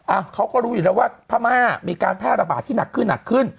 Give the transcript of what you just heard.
อ่ะเขาก็รู้อยู่แล้วว่าพม่ามีการแพร่ระบาดที่หนักขึ้น